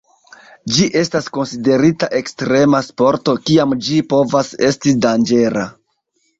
Ĝi estas konsiderita ekstrema sporto, kiam ĝi povas esti danĝera.